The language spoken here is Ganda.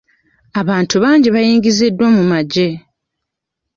Abantu bangi baayingiziddwa mu magye.